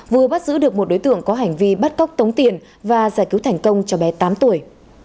vừa bắt giữ được một đối tượng có hành vi bắt cóc tống tiền và giải cứu thành công cho bé tám tuổi